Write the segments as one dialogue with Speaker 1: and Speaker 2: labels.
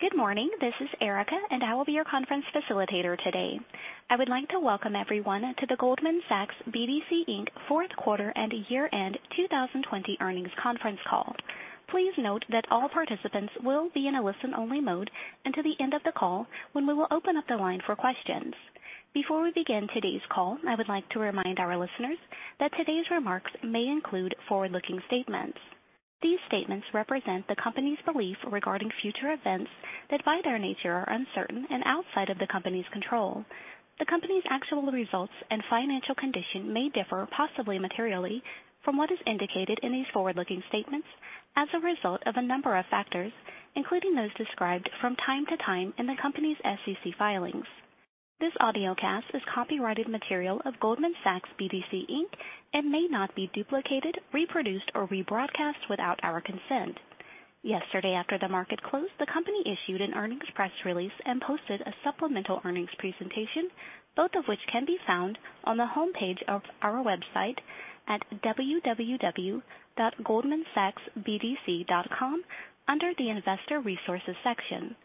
Speaker 1: Good morning, this is Erica, and I will be your conference facilitator today. I would like to welcome everyone to the Goldman Sachs BDC Fourth Quarter and Year-End 2020 Earnings Conference Call. Please note that all participants will be in a listen-only mode until the end of the call, when we will open up the line for questions. Before we begin today's call, I would like to remind our listeners that today's remarks may include forward-looking statements. These statements represent the company's belief regarding future events that, by their nature, are uncertain and outside of the company's control. The company's actual results and financial condition may differ, possibly materially, from what is indicated in these forward-looking statements as a result of a number of factors, including those described from time to time in the company's SEC filings. This audio cast is copyrighted material of Goldman Sachs BDC. and may not be duplicated, reproduced, or rebroadcast without our consent. Yesterday, after the market closed, the company issued an earnings press release and posted a supplemental earnings presentation, both of which can be found on the homepage of our website at www.goldmansachsbdc.com under the Investor Resources section.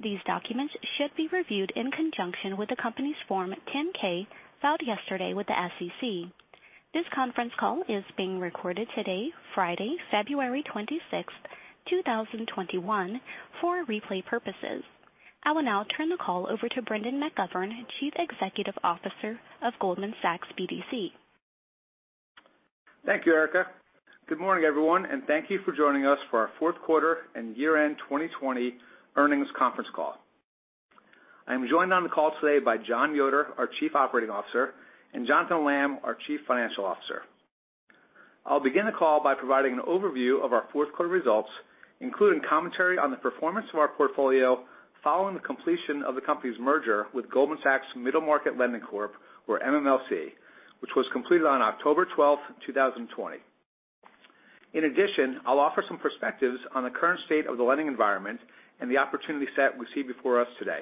Speaker 1: These documents should be reviewed in conjunction with the company's Form 10-K filed yesterday with the SEC. This conference call is being recorded today, Friday, February 26th, 2021, for replay purposes. I will now turn the call over to Brendan McGovern, Chief Executive Officer of Goldman Sachs BDC.
Speaker 2: Thank you, Erica. Good morning, everyone, and thank you for joining us for our Fourth Quarter and Year-End 2020 Earnings Conference Call. I am joined on the call today by Jon Yoder, our Chief Operating Officer, and Jonathan Lamm, our Chief Financial Officer. I'll begin the call by providing an overview of our Fourth Quarter results, including commentary on the performance of our portfolio following the completion of the company's merger with Goldman Sachs Middle Market Lending Corp, or MMLC, which was completed on October 12, 2020. In addition, I'll offer some perspectives on the current state of the lending environment and the opportunity set we see before us today.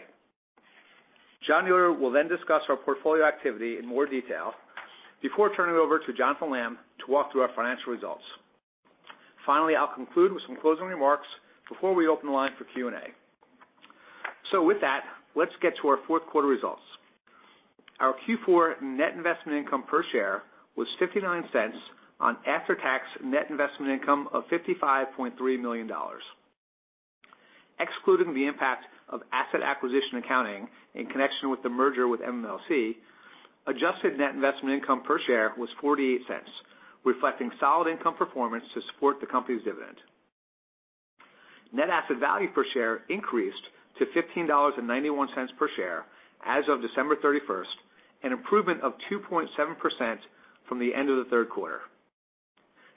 Speaker 2: Jon Yoder will then discuss our portfolio activity in more detail before turning it over to Jonathan Lam to walk through our financial results. Finally, I'll conclude with some closing remarks before we open the line for Q&A. With that, let's get to our fourth quarter results. Our Q4 net investment income per share was $0.59 on after-tax net investment income of $55.3 million. Excluding the impact of asset acquisition accounting in connection with the merger with MMLC, adjusted net investment income per share was $0.48, reflecting solid income performance to support the company's dividend. Net asset value per share increased to $15.91 per share as of December 31 and improvement of 2.7% from the end of the third quarter.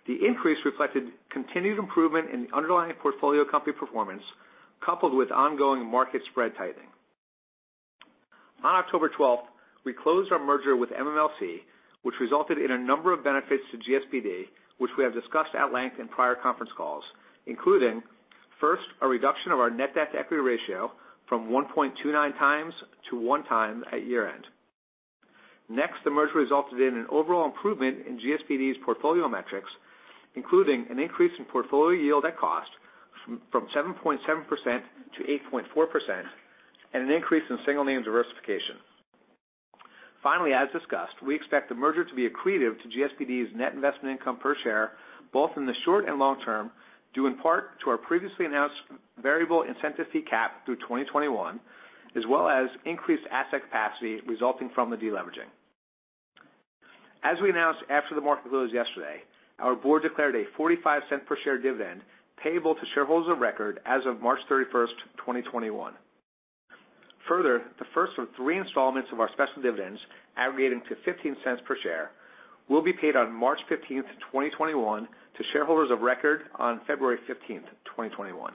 Speaker 2: The increase reflected continued improvement in the underlying portfolio company performance, coupled with ongoing market spread tightening. On October 12, we closed our merger with MMLC, which resulted in a number of benefits to GSBD, which we have discussed at length in prior conference calls, including, first, a reduction of our net debt to equity ratio from 1.29 times to 1 time at year-end. Next, the merger resulted in an overall improvement in GSBD's portfolio metrics, including an increase in portfolio yield at cost from 7.7%-8.4% and an increase in single name diversification. Finally, as discussed, we expect the merger to be accretive to GSBD's net investment income per share, both in the short and long term, due in part to our previously announced variable incentive fee cap through 2021, as well as increased asset capacity resulting from the deleveraging. As we announced after the market closed yesterday, our board declared a $0.45 per share dividend payable to shareholders of record as of March 31, 2021. Further, the first of three installments of our special dividends, aggregating to $0.15 per share, will be paid on March 15, 2021, to shareholders of record on February 15, 2021.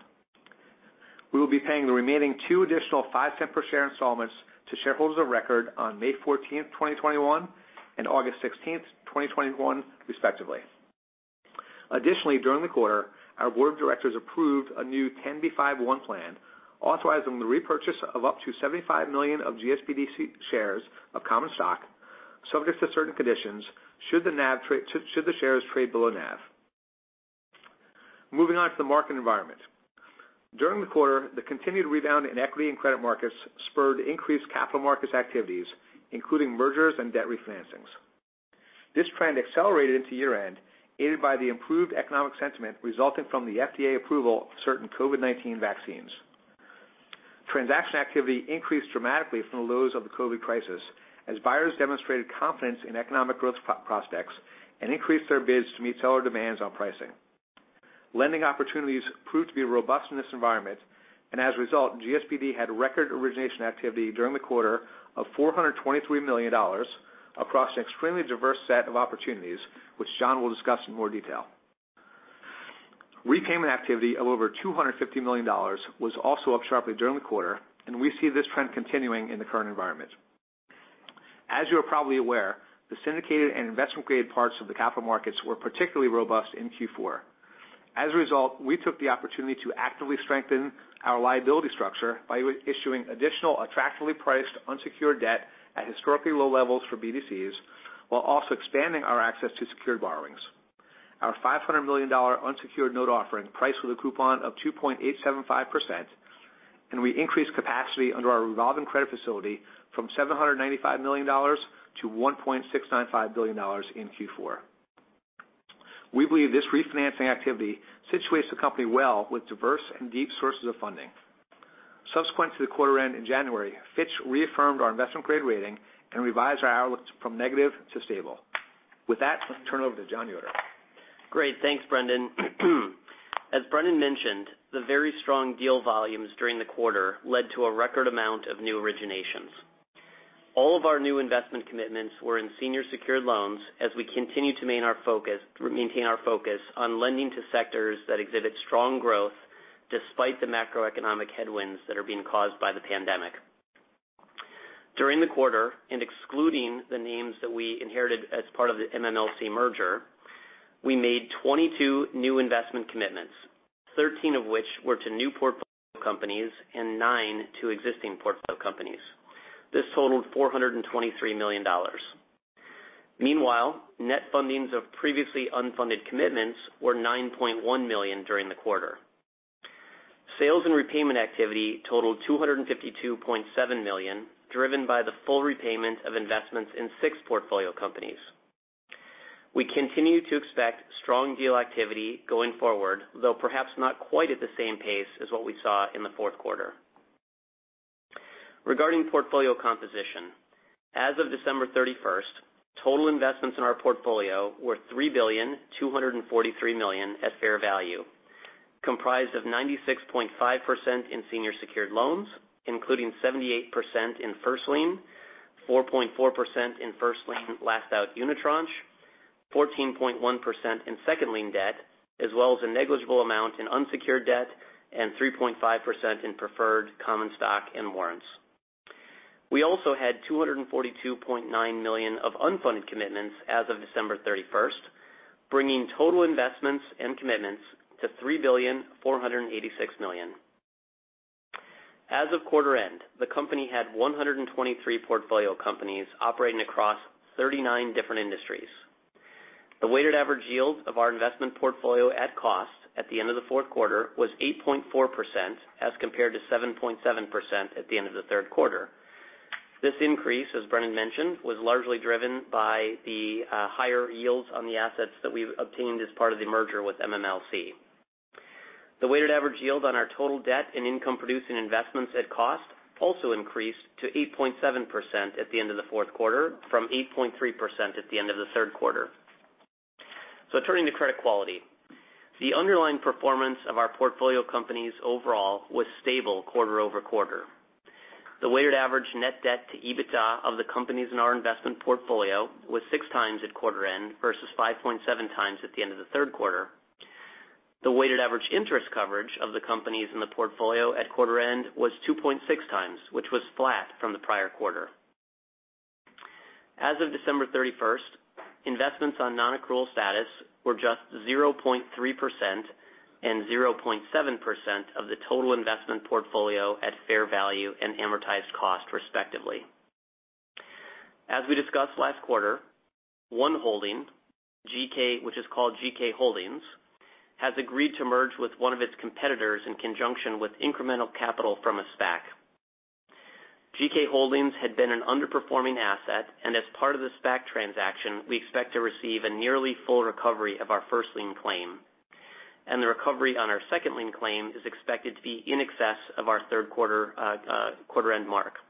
Speaker 2: We will be paying the remaining two additional $0.05 per share installments to shareholders of record on May 14, 2021, and August 16, 2021, respectively. Additionally, during the quarter, our board of directors approved a new 10b5-1 plan, authorizing the repurchase of up to $75 million of GSBD shares of common stock, subject to certain conditions should the shares trade below NAV. Moving on to the market environment. During the quarter, the continued rebound in equity and credit markets spurred increased capital markets activities, including mergers and debt refinancings. This trend accelerated into year-end, aided by the improved economic sentiment resulting from the FDA approval of certain COVID-19 vaccines. Transaction activity increased dramatically from the lows of the COVID crisis, as buyers demonstrated confidence in economic growth prospects and increased their bids to meet seller demands on pricing. Lending opportunities proved to be robust in this environment, and as a result, GSBD had record origination activity during the quarter of $423 million across an extremely diverse set of opportunities, which Jon will discuss in more detail. Repayment activity of over $250 million was also up sharply during the quarter, and we see this trend continuing in the current environment. As you are probably aware, the syndicated and investment-grade parts of the capital markets were particularly robust in Q4. As a result, we took the opportunity to actively strengthen our liability structure by issuing additional attractively priced unsecured debt at historically low levels for BDCs, while also expanding our access to secured borrowings. Our $500 million unsecured note offering priced with a coupon of 2.875%, and we increased capacity under our revolving credit facility from $795 million to $1.695 billion in Q4. We believe this refinancing activity situates the company well with diverse and deep sources of funding. Subsequent to the quarter-end in January, Fitch reaffirmed our investment-grade rating and revised our outlook from negative to stable. With that, let's turn it over to Jon Yoder.
Speaker 3: Great. Thanks, Brendan. As Brendan mentioned, the very strong deal volumes during the quarter led to a record amount of new originations. All of our new investment commitments were in senior secured loans as we continue to maintain our focus on lending to sectors that exhibit strong growth despite the macroeconomic headwinds that are being caused by the pandemic. During the quarter, and excluding the names that we inherited as part of the MMLC merger, we made 22 new investment commitments, 13 of which were to new portfolio companies and nine to existing portfolio companies. This totaled $423 million. Meanwhile, net fundings of previously unfunded commitments were $9.1 million during the quarter. Sales and repayment activity totaled $252.7 million, driven by the full repayment of investments in six portfolio companies. We continue to expect strong deal activity going forward, though perhaps not quite at the same pace as what we saw in the fourth quarter. Regarding portfolio composition, as of December 31, total investments in our portfolio were $3,243 million at fair value, comprised of 96.5% in senior secured loans, including 78% in first lien, 4.4% in first lien last out unit tranche, 14.1% in second lien debt, as well as a negligible amount in unsecured debt and 3.5% in preferred common stock and warrants. We also had $242.9 million of unfunded commitments as of December 31, bringing total investments and commitments to $3,486 million. As of quarter-end, the company had 123 portfolio companies operating across 39 different industries. The weighted average yield of our investment portfolio at cost at the end of the fourth quarter was 8.4% as compared to 7.7% at the end of the third quarter. This increase, as Brendan mentioned, was largely driven by the higher yields on the assets that we obtained as part of the merger with MMLC. The weighted average yield on our total debt and income-producing investments at cost also increased to 8.7% at the end of the fourth quarter from 8.3% at the end of the third quarter. Turning to credit quality, the underlying performance of our portfolio companies overall was stable quarter over quarter. The weighted average net debt to EBITDA of the companies in our investment portfolio was six times at quarter-end versus 5.7 times at the end of the third quarter. The weighted average interest coverage of the companies in the portfolio at quarter-end was 2.6 times, which was flat from the prior quarter. As of December 31, investments on non-accrual status were just 0.3% and 0.7% of the total investment portfolio at fair value and amortized cost, respectively. As we discussed last quarter, One Holding, which is called GK Holdings, has agreed to merge with one of its competitors in conjunction with incremental capital from a SPAC. GK Holdings had been an underperforming asset, and as part of the SPAC transaction, we expect to receive a nearly full recovery of our first lien claim, and the recovery on our second lien claim is expected to be in excess of our third quarter-end mark.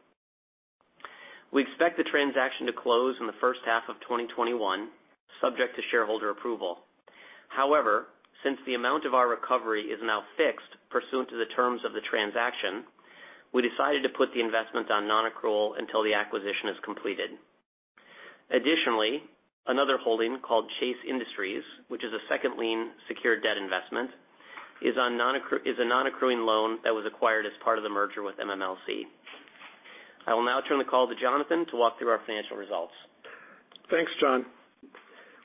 Speaker 3: We expect the transaction to close in the first half of 2021, subject to shareholder approval. However, since the amount of our recovery is now fixed pursuant to the terms of the transaction, we decided to put the investment on non-accrual until the acquisition is completed. Additionally, another holding called Chase Industries, which is a second lien secured debt investment, is a non-accruing loan that was acquired as part of the merger with MMLC. I will now turn the call to Jonathan to walk through our financial results.
Speaker 4: Thanks, Jon.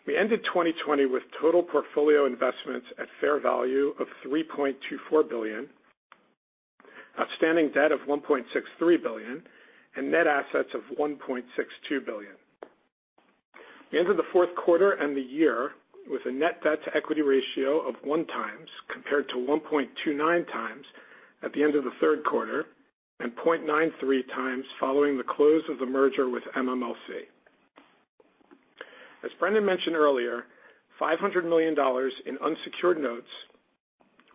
Speaker 4: We ended 2020 with total portfolio investments at fair value of $3.24 billion, outstanding debt of $1.63 billion, and net assets of $1.62 billion. We entered the fourth quarter and the year with a net debt to equity ratio of 1 times compared to 1.29 times at the end of the third quarter and 0.93 times following the close of the merger with MMLC. As Brendan mentioned earlier, $500 million in unsecured notes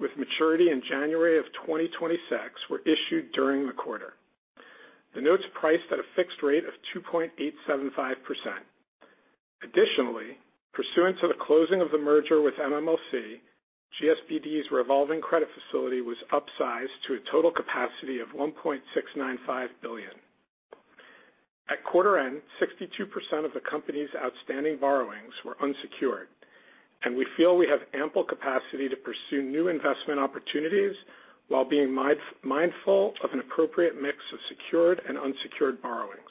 Speaker 4: with maturity in January of 2026 were issued during the quarter. The notes priced at a fixed rate of 2.875%. Additionally, pursuant to the closing of the merger with MMLC, GSBD's revolving credit facility was upsized to a total capacity of $1.695 billion. At quarter-end, 62% of the company's outstanding borrowings were unsecured, and we feel we have ample capacity to pursue new investment opportunities while being mindful of an appropriate mix of secured and unsecured borrowings.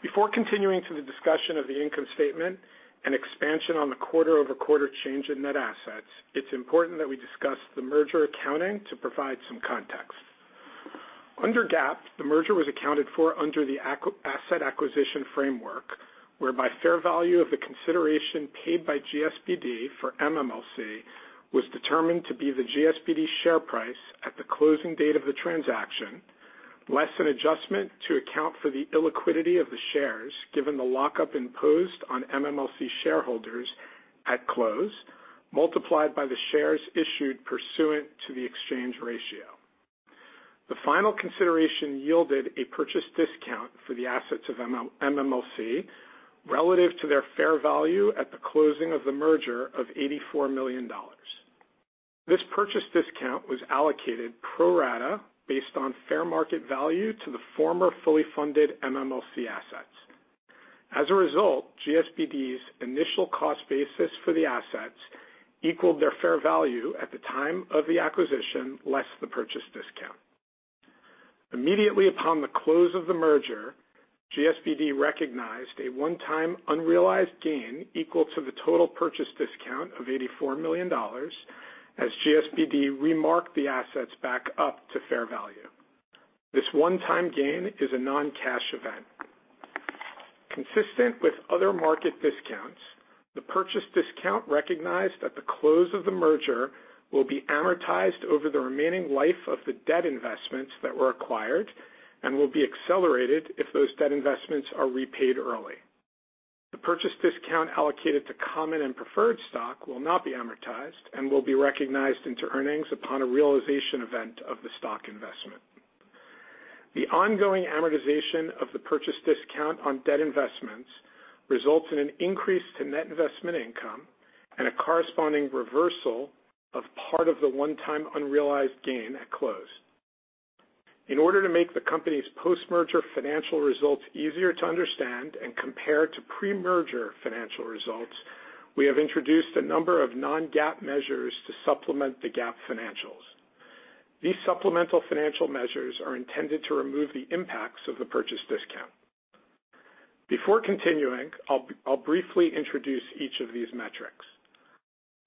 Speaker 4: Before continuing to the discussion of the income statement and expansion on the quarter-over-quarter change in net assets, it's important that we discuss the merger accounting to provide some context. Under GAAP, the merger was accounted for under the asset acquisition framework, whereby fair value of the consideration paid by GSBD for MMLC was determined to be the GSBD share price at the closing date of the transaction, less an adjustment to account for the illiquidity of the shares given the lockup imposed on MMLC shareholders at close, multiplied by the shares issued pursuant to the exchange ratio. The final consideration yielded a purchase discount for the assets of MMLC relative to their fair value at the closing of the merger of $84 million. This purchase discount was allocated pro rata based on fair market value to the former fully funded MMLC assets. As a result, GSBD's initial cost basis for the assets equaled their fair value at the time of the acquisition less the purchase discount. Immediately upon the close of the merger, GSBD recognized a one-time unrealized gain equal to the total purchase discount of $84 million as GSBD remarked the assets back up to fair value. This one-time gain is a non-cash event. Consistent with other market discounts, the purchase discount recognized at the close of the merger will be amortized over the remaining life of the debt investments that were acquired and will be accelerated if those debt investments are repaid early. The purchase discount allocated to common and preferred stock will not be amortized and will be recognized into earnings upon a realization event of the stock investment. The ongoing amortization of the purchase discount on debt investments results in an increase to net investment income and a corresponding reversal of part of the one-time unrealized gain at close. In order to make the company's post-merger financial results easier to understand and compare to pre-merger financial results, we have introduced a number of non-GAAP measures to supplement the GAAP financials. These supplemental financial measures are intended to remove the impacts of the purchase discount. Before continuing, I'll briefly introduce each of these metrics.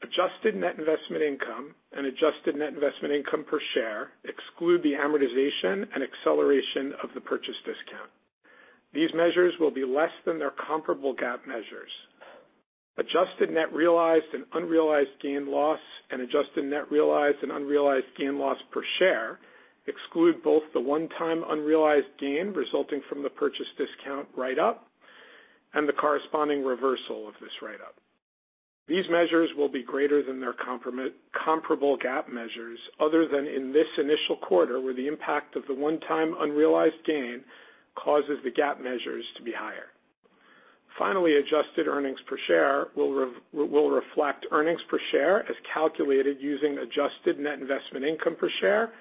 Speaker 4: Adjusted net investment income and adjusted net investment income per share exclude the amortization and acceleration of the purchase discount. These measures will be less than their comparable GAAP measures. Adjusted net realized and unrealized gain loss and adjusted net realized and unrealized gain loss per share exclude both the one-time unrealized gain resulting from the purchase discount write-up and the corresponding reversal of this write-up. These measures will be greater than their comparable GAAP measures other than in this initial quarter where the impact of the one-time unrealized gain causes the GAAP measures to be higher. Finally, adjusted earnings per share will reflect earnings per share as calculated using adjusted net investment income per share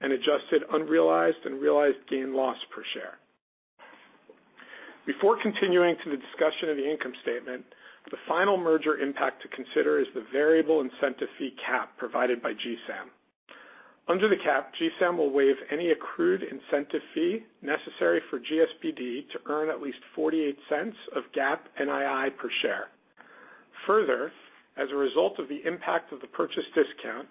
Speaker 4: and adjusted unrealized and realized gain loss per share. Before continuing to the discussion of the income statement, the final merger impact to consider is the variable incentive fee cap provided by GSAM. Under the cap, GSAM will waive any accrued incentive fee necessary for GSBD to earn at least $0.48 of GAAP NII per share. Further, as a result of the impact of the purchase discount,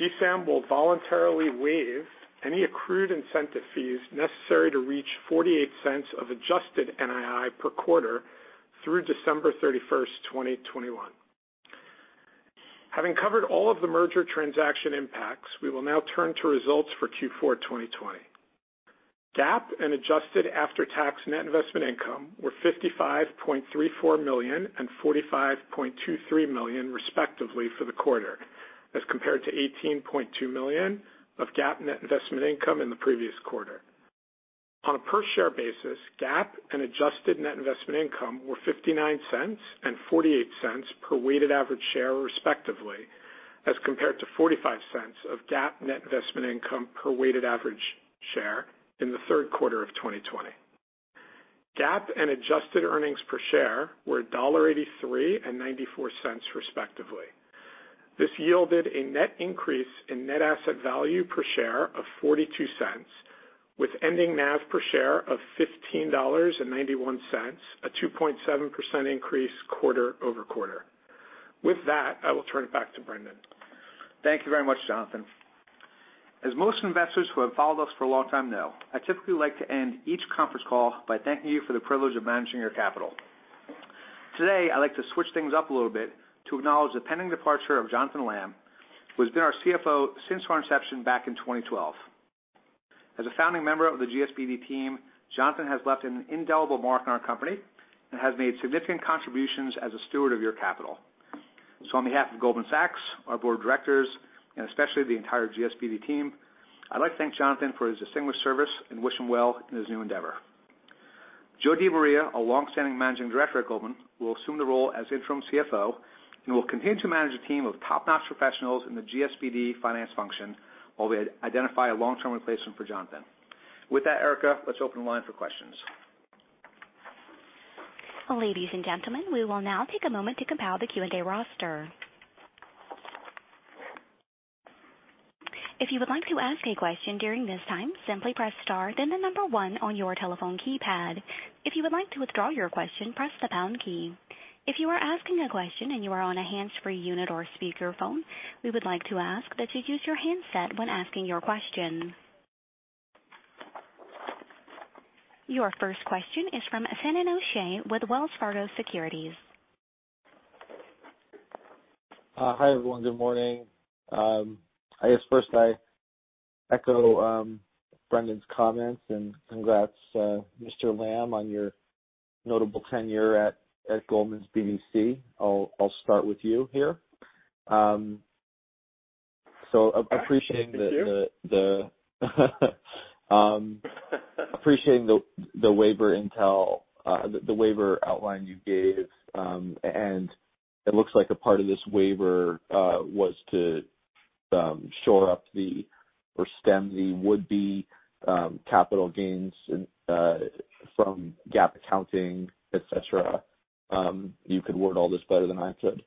Speaker 4: GSAM will voluntarily waive any accrued incentive fees necessary to reach $0.48 of adjusted NII per quarter through December 31, 2021. Having covered all of the merger transaction impacts, we will now turn to results for Q4 2020. GAAP and adjusted after-tax net investment income were $55.34 million and $45.23 million, respectively, for the quarter as compared to $18.2 million of GAAP net investment income in the previous quarter. On a per-share basis, GAAP and adjusted net investment income were $0.59 and $0.48 per weighted average share, respectively, as compared to $0.45 of GAAP net investment income per weighted average share in the third quarter of 2020. GAAP and adjusted earnings per share were $1.83 and $0.94, respectively. This yielded a net increase in net asset value per share of $0.42, with ending NAV per share of $15.91, a 2.7% increase quarter over quarter. With that, I will turn it back to Brendan.
Speaker 2: Thank you very much, Jonathan. As most investors who have followed us for a long time know, I typically like to end each conference call by thanking you for the privilege of managing your capital. Today, I'd like to switch things up a little bit to acknowledge the pending departure of Jonathan Lamm, who has been our CFO since our inception back in 2012. As a founding member of the GSBD team, Jonathan has left an indelible mark on our company and has made significant contributions as a steward of your capital. On behalf of Goldman Sachs, our board of directors, and especially the entire GSBD team, I'd like to thank Jonathan for his distinguished service and wish him well in his new endeavor. Joe DiMaria, a longstanding managing director at Goldman, will assume the role as interim CFO and will continue to manage a team of top-notch professionals in the GSBD finance function while we identify a long-term replacement for Jonathan. With that, Erica, let's open the line for questions.
Speaker 1: Ladies and gentlemen, we will now take a moment to compile the Q&A roster. If you would like to ask a question during this time, simply press star, then the number one on your telephone keypad. If you would like to withdraw your question, press the pound key. If you are asking a question and you are on a hands-free unit or speakerphone, we would like to ask that you use your handset when asking your question. Your first question is from Finian O'Shea with Wells Fargo Securities.
Speaker 5: Hi, everyone. Good morning. I guess first I echo Brendan's comments and congrats Mr. Lamm on your notable tenure at Goldman's BDC. I'll start with you here. Appreciating the waiver outline you gave, and it looks like a part of this waiver was to shore up or stem the would-be capital gains from GAAP accounting, etc. You could word all this better than I could.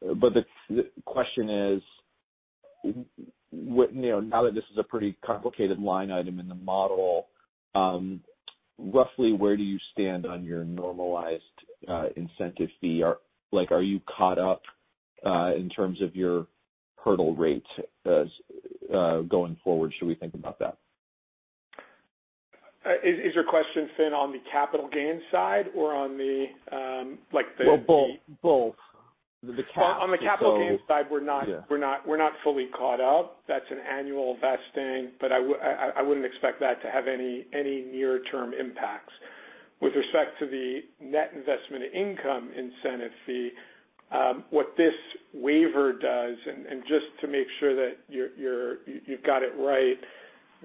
Speaker 5: The question is, now that this is a pretty complicated line item in the model, roughly where do you stand on your normalized incentive fee? Are you caught up in terms of your hurdle rate going forward? Should we think about that?
Speaker 4: Is your question then on the capital gain side or on the?
Speaker 5: Well, both. Both.
Speaker 4: On the capital gain side, we're not fully caught up. That's an annual vesting, but I wouldn't expect that to have any near-term impacts. With respect to the net investment income incentive fee, what this waiver does, and just to make sure that you've got it right,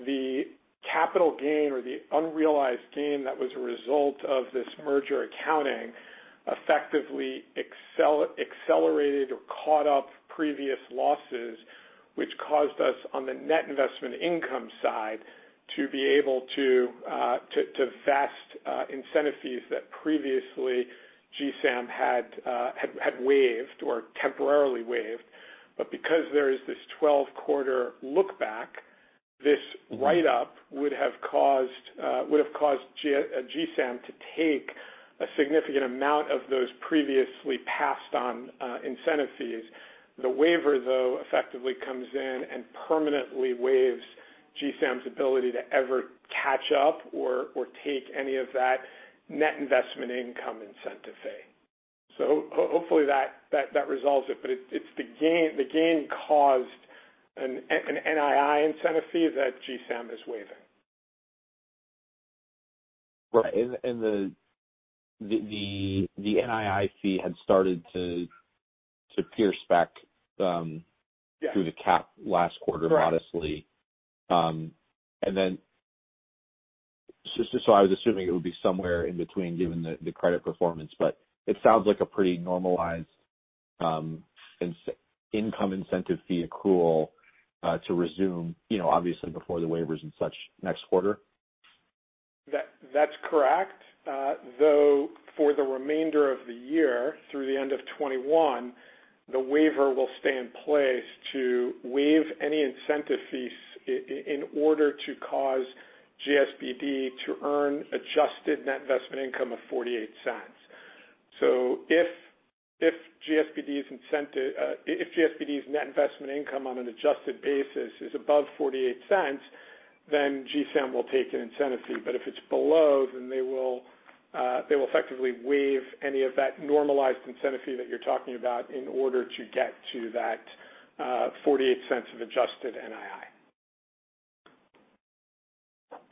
Speaker 4: the capital gain or the unrealized gain that was a result of this merger accounting effectively accelerated or caught up previous losses, which caused us on the net investment income side to be able to vest incentive fees that previously GSAM had waived or temporarily waived. Because there is this 12-quarter look-back, this write-up would have caused GSAM to take a significant amount of those previously passed-on incentive fees. The waiver, though, effectively comes in and permanently waives GSAM's ability to ever catch up or take any of that net investment income incentive fee. Hopefully that resolves it, but it's the gain caused an NII incentive fee that GSAM is waiving.
Speaker 5: Right. The NII fee had started to pierce back through the cap last quarter modestly. I was assuming it would be somewhere in between given the credit performance, but it sounds like a pretty normalized income incentive fee accrual to resume, obviously, before the waivers and such next quarter.
Speaker 4: That's correct. Though for the remainder of the year through the end of 2021, the waiver will stay in place to waive any incentive fees in order to cause GSBD to earn adjusted net investment income of $0.48. If GSBD's net investment income on an adjusted basis is above $0.48, then GSAM will take an incentive fee. If it is below, they will effectively waive any of that normalized incentive fee that you're talking about in order to get to that $0.48 of adjusted NII.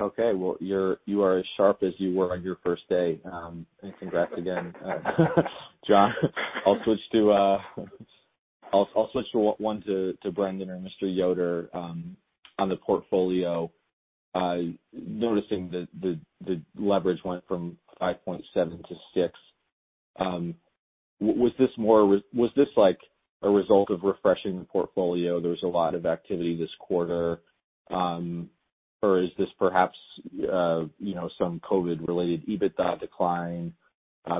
Speaker 5: Okay. You are as sharp as you were on your first day. Congrats again, Jon. I'll switch to one to Brendan or Mr. Yoder on the portfolio. Noticing that the leverage went from 5.7 to 6, was this more a result of refreshing the portfolio? There was a lot of activity this quarter. Is this perhaps some COVID-related EBITDA decline,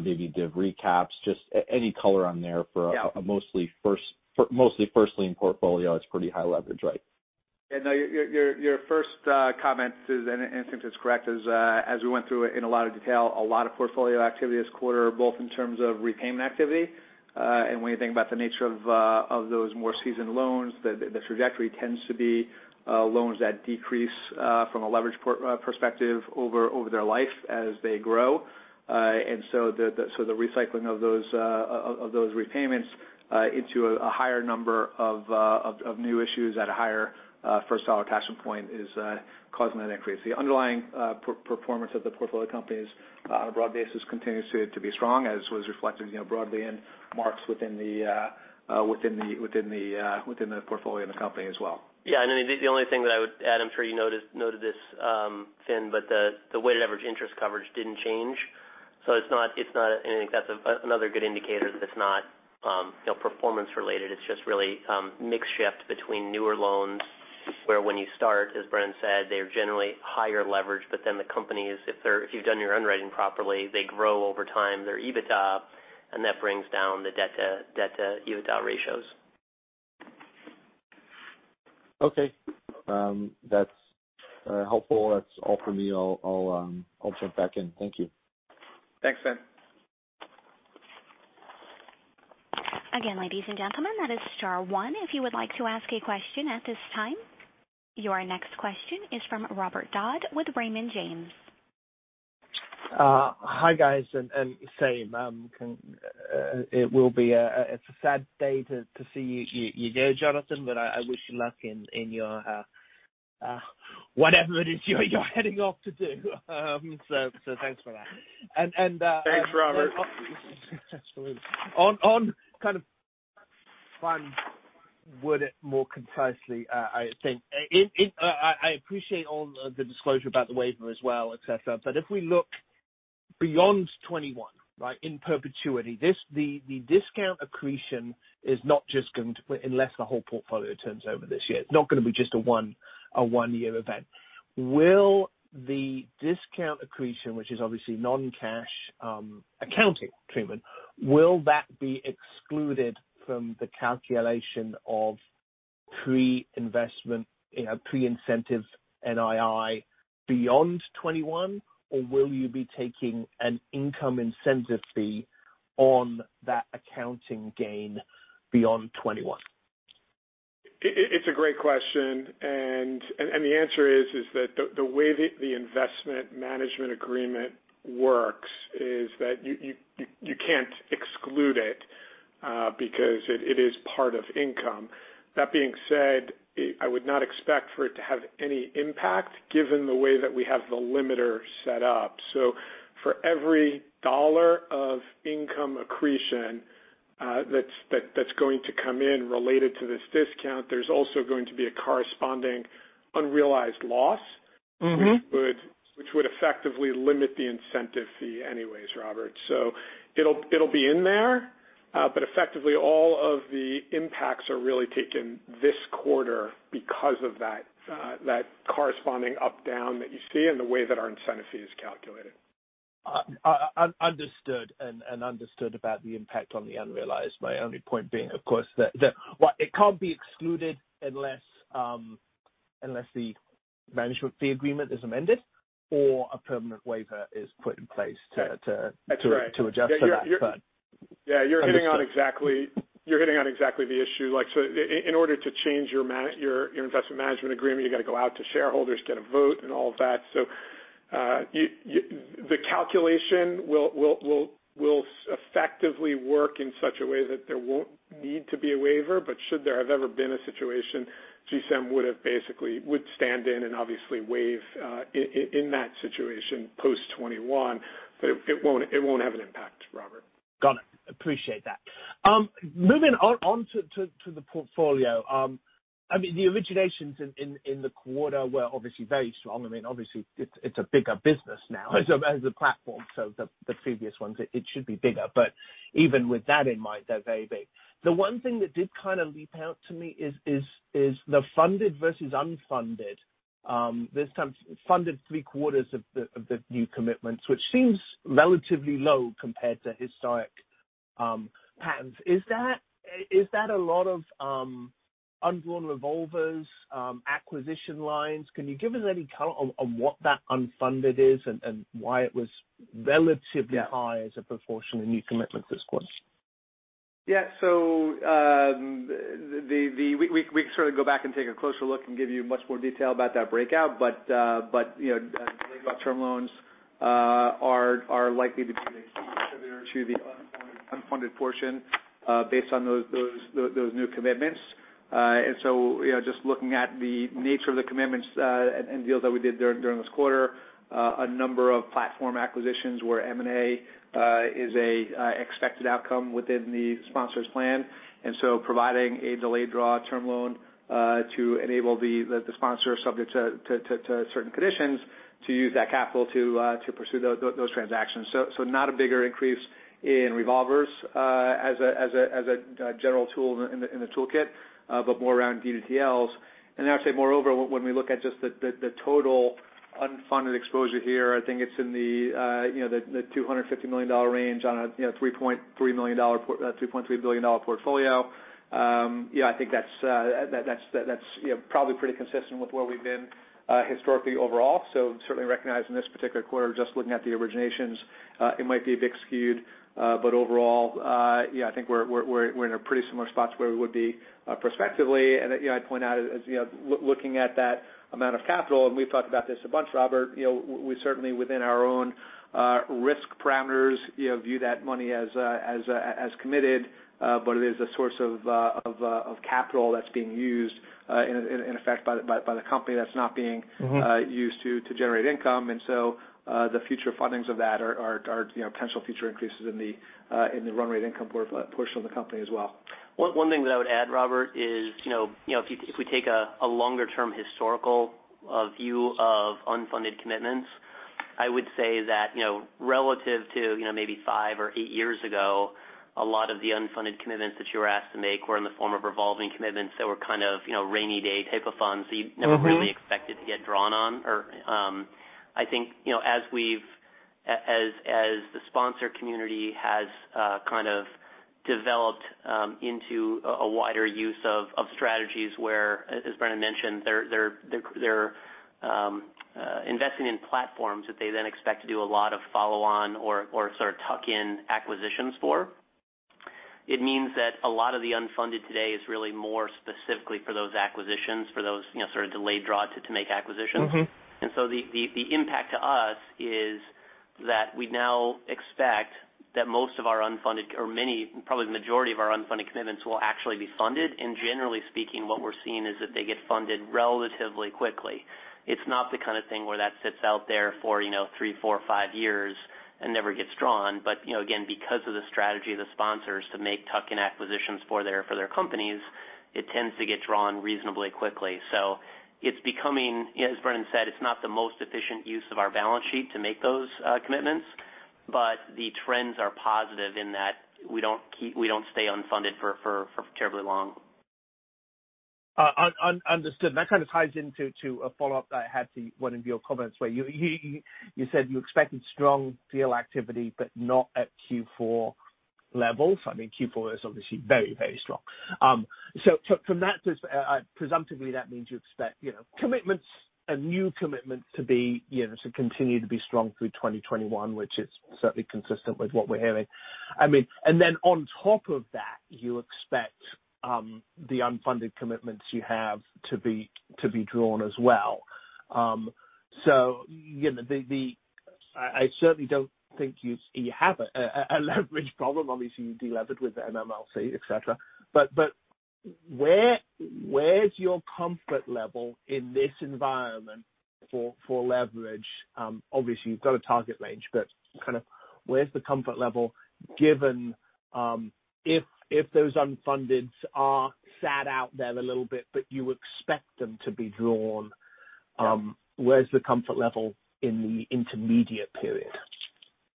Speaker 5: maybe div recaps, just any color on there for a mostly first-lien portfolio that's pretty high leverage, right?
Speaker 2: Yeah. No, your first comment is, and I think it's correct, as we went through in a lot of detail, a lot of portfolio activity this quarter, both in terms of repayment activity. When you think about the nature of those more seasoned loans, the trajectory tends to be loans that decrease from a leverage perspective over their life as they grow. The recycling of those repayments into a higher number of new issues at a higher first dollar attachment point is causing that increase. The underlying performance of the portfolio companies on a broad basis continues to be strong, as was reflected broadly in marks within the portfolio and the company as well.
Speaker 3: Yeah. The only thing that I would add, I'm sure you noted this, Fin, but the weighted average interest coverage didn't change. It is not, and I think that's another good indicator that it is not performance-related. It is just really mix shift between newer loans where, when you start, as Brendan said, they are generally higher leverage, but then the companies, if you've done your underwriting properly, they grow over time, their EBITDA, and that brings down the debt-to-EBITDA ratios.
Speaker 5: Okay. That's helpful. That's all for me. I'll jump back in. Thank you.
Speaker 4: Thanks, Fin.
Speaker 1: Again, ladies and gentlemen, that is star one if you would like to ask a question at this time. Your next question is from Robert Dodd with Raymond James.
Speaker 6: Hi, guys, and same. It will be a sad day to see you go, Jonathan, but I wish you luck in whatever it is you're heading off to do. Thanks for that.
Speaker 4: Thanks, Robert.
Speaker 6: On kind of fun word it more concisely, I appreciate all the disclosure about the waiver as well, etc. But if we look beyond 2021, right, in perpetuity, the discount accretion is not just going to unless the whole portfolio turns over this year. It's not going to be just a one-year event. Will the discount accretion, which is obviously non-cash accounting, Treyman, will that be excluded from the calculation of pre-incentive NII beyond 2021, or will you be taking an income incentive fee on that accounting gain beyond 2021?
Speaker 4: It's a great question. The answer is that the way the investment management agreement works is that you can't exclude it because it is part of income. That being said, I would not expect for it to have any impact given the way that we have the limiter set up. For every dollar of income accretion that's going to come in related to this discount, there's also going to be a corresponding unrealized loss, which would effectively limit the incentive fee anyways, Robert. It'll be in there, but effectively all of the impacts are really taken this quarter because of that corresponding up-down that you see and the way that our incentive fee is calculated.
Speaker 6: Understood. Understood about the impact on the unrealized, my only point being, of course, that it cannot be excluded unless the management fee agreement is amended or a permanent waiver is put in place to adjust that upfront.
Speaker 4: Yeah. You're hitting on exactly the issue. In order to change your investment management agreement, you've got to go out to shareholders, get a vote, and all of that. The calculation will effectively work in such a way that there won't need to be a waiver, but should there have ever been a situation, GSAM would stand in and obviously waive in that situation post 2021, but it won't have an impact, Robert.
Speaker 6: Got it. Appreciate that. Moving on to the portfolio. I mean, the originations in the quarter were obviously very strong. I mean, obviously, it's a bigger business now as a platform. So the previous ones, it should be bigger. Even with that in mind, they're very big. The one thing that did kind of leap out to me is the funded versus unfunded. This time, funded three-quarters of the new commitments, which seems relatively low compared to historic patterns. Is that a lot of unborn revolvers, acquisition lines? Can you give us any color on what that unfunded is and why it was relatively high as a proportion in new commitments this quarter?
Speaker 2: Yeah. We can certainly go back and take a closer look and give you much more detail about that breakout, but I believe long-term loans are likely to be the key contributor to the unfunded portion based on those new commitments. Just looking at the nature of the commitments and deals that we did during this quarter, a number of platform acquisitions where M&A is an expected outcome within the sponsor's plan. Providing a delayed draw term loan to enable the sponsor, subject to certain conditions, to use that capital to pursue those transactions. Not a bigger increase in revolvers as a general tool in the toolkit, but more around DDTLs. Moreover, when we look at just the total unfunded exposure here, I think it's in the $250 million range on a $3.3 billion portfolio. I think that's probably pretty consistent with where we've been historically overall. Certainly recognizing this particular quarter, just looking at the originations, it might be a bit skewed, but overall, I think we're in a pretty similar spot to where we would be prospectively. I'd point out, looking at that amount of capital, and we've talked about this a bunch, Robert, we certainly, within our own risk parameters, view that money as committed, but it is a source of capital that's being used, in effect, by the company that's not being used to generate income. The future fundings of that are potential future increases in the run rate income portion of the company as well.
Speaker 3: One thing that I would add, Robert, is if we take a longer-term historical view of unfunded commitments, I would say that relative to maybe five or eight years ago, a lot of the unfunded commitments that you were asked to make were in the form of revolving commitments that were kind of rainy day type of funds that you never really expected to get drawn on. I think as the sponsor community has kind of developed into a wider use of strategies where, as Brendan mentioned, they're investing in platforms that they then expect to do a lot of follow-on or sort of tuck-in acquisitions for, it means that a lot of the unfunded today is really more specifically for those acquisitions, for those sort of delayed draw to make acquisitions. The impact to us is that we now expect that most of our unfunded, or probably the majority of our unfunded commitments, will actually be funded. Generally speaking, what we're seeing is that they get funded relatively quickly. It's not the kind of thing where that sits out there for three, four, five years and never gets drawn. Again, because of the strategy of the sponsors to make tuck-in acquisitions for their companies, it tends to get drawn reasonably quickly. It's becoming, as Brendan said, it's not the most efficient use of our balance sheet to make those commitments, but the trends are positive in that we don't stay unfunded for terribly long.
Speaker 6: Understood. That kind of ties into a follow-up that I had to one of your comments where you said you expected strong deal activity, but not at Q4 levels. I mean, Q4 is obviously very, very strong. From that, presumptively, that means you expect commitments, a new commitment to continue to be strong through 2021, which is certainly consistent with what we're hearing. I mean, and then on top of that, you expect the unfunded commitments you have to be drawn as well. I certainly don't think you have a leverage problem. Obviously, you de-levered with MMLC, etc. Where's your comfort level in this environment for leverage? Obviously, you've got a target range, but kind of where's the comfort level given if those unfunded are sat out there a little bit, but you expect them to be drawn? Where's the comfort level in the intermediate period?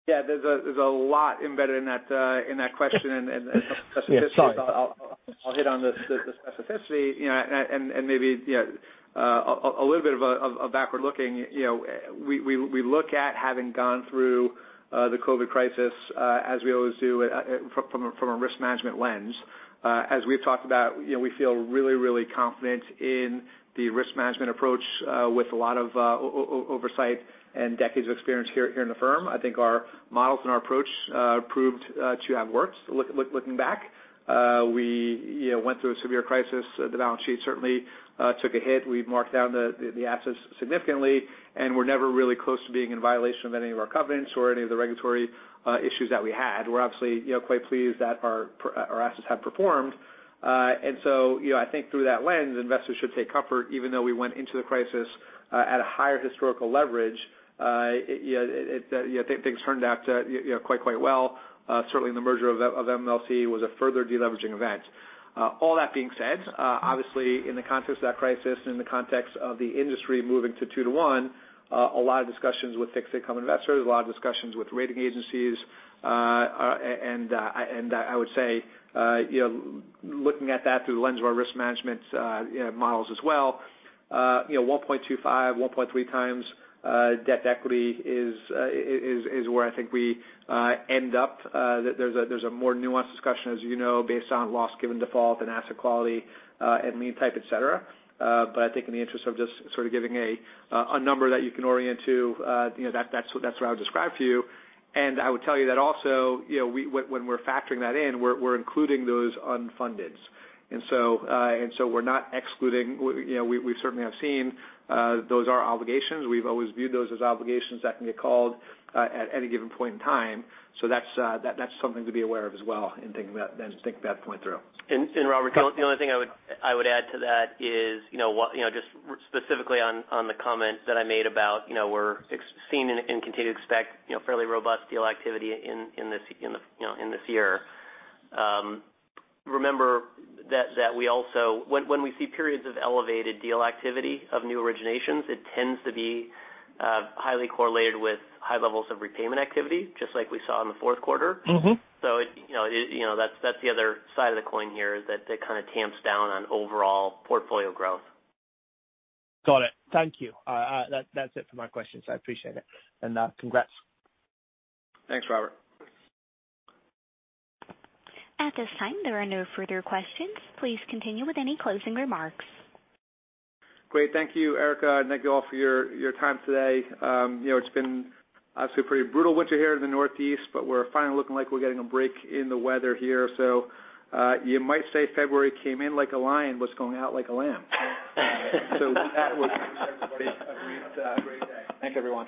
Speaker 2: Yeah. There's a lot embedded in that question and specificity. I'll hit on the specificity. Maybe a little bit of a backward looking. We look at having gone through the COVID crisis, as we always do, from a risk management lens. As we've talked about, we feel really, really confident in the risk management approach with a lot of oversight and decades of experience here in the firm. I think our models and our approach proved to have worked looking back. We went through a severe crisis. The balance sheet certainly took a hit. We marked down the assets significantly, and we were never really close to being in violation of any of our covenants or any of the regulatory issues that we had. We're absolutely quite pleased that our assets have performed. I think through that lens, investors should take comfort, even though we went into the crisis at a higher historical leverage. Things turned out quite, quite well. Certainly, the merger of MMLC was a further deleveraging event. All that being said, obviously, in the context of that crisis and in the context of the industry moving to two-to-one, a lot of discussions with fixed-income investors, a lot of discussions with rating agencies. I would say, looking at that through the lens of our risk management models as well, 1.25, 1.3x debt to equity is where I think we end up. There's a more nuanced discussion, as you know, based on loss given default and asset quality and lien type, etc. I think in the interest of just sort of giving a number that you can orient to, that's what I would describe to you. I would tell you that also, when we're factoring that in, we're including those unfunded. We're not excluding. We certainly have seen those are obligations. We've always viewed those as obligations that can get called at any given point in time. That's something to be aware of as well and think that point through.
Speaker 3: Robert, the only thing I would add to that is just specifically on the comment that I made about we're seeing and continue to expect fairly robust deal activity in this year. Remember that we also, when we see periods of elevated deal activity of new originations, it tends to be highly correlated with high levels of repayment activity, just like we saw in the fourth quarter. That is the other side of the coin here that kind of tamps down on overall portfolio growth.
Speaker 6: Got it. Thank you. That is it for my questions. I appreciate it. Congrats.
Speaker 2: Thanks, Robert.
Speaker 1: At this time, there are no further questions. Please continue with any closing remarks.
Speaker 2: Great. Thank you, Erica. Thank you all for your time today. It's been obviously a pretty brutal winter here in the Northeast, but we're finally looking like we're getting a break in the weather here. You might say February came in like a lion and is going out like a lamb. With that, we'll congratulate everybody. A great day. Thanks everyone.